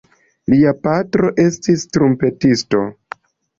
Lia patro estis trumpetisto.